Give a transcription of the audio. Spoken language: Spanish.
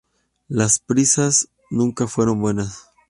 Las prisas nunca fueron buenas